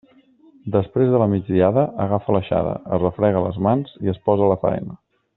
Després de la migdiada, agafa l'aixada, es refrega les mans i es posa a la faena.